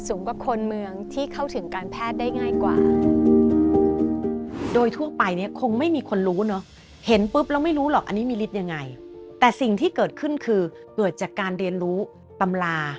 สูงกว่าคนเมืองที่เข้าถึงการแพทย์ได้ง่ายกว่า